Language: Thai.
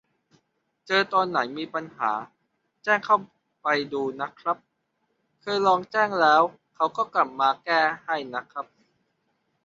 เจอตอนไหนมีปัญหา แจ้งเข้าไปดูนะครับ เคยลองแจ้งแล้วเขาก็กลับมาแก้ให้นะ